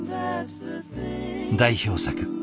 代表作